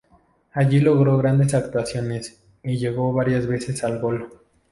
Allí logró grandes actuaciones y llegó varias veces al Gol.